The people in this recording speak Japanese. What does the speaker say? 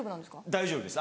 大丈夫です。